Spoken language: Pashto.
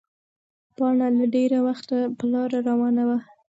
پاڼه له ډېره وخته په لاره روانه وه.